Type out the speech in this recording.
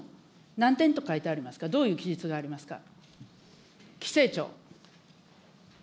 何点と書いてありますか、どういう記述がありますか。